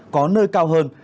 có nơi cao hơn